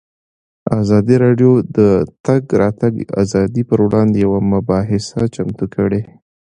ازادي راډیو د د تګ راتګ ازادي پر وړاندې یوه مباحثه چمتو کړې.